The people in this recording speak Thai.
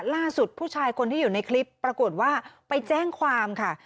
ผู้ชายคนที่อยู่ในคลิปปรากฏว่าไปแจ้งความค่ะ